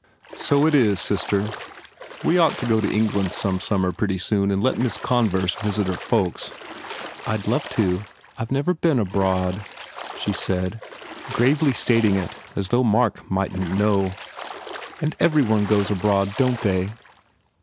"So it is, sister. We ought to go to England some summer pretty soon and let Miss Converse visit her folks." "I d love to. ... I ve never been abroad," she said, gravely stating it as though Mark mightn t know, "And every one goes abroad, don t they?"